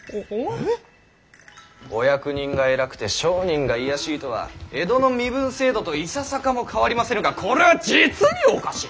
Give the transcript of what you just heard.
お役人が偉くて商人が卑しいとは江戸の身分制度といささかも変わりませぬがこれは実におかしい。